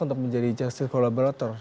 untuk menjadi justice collaborator